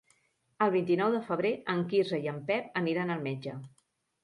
El vint-i-nou de febrer en Quirze i en Pep aniran al metge.